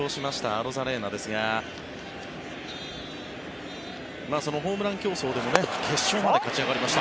アロザレーナですがホームラン競争でも決勝まで勝ち上がりました。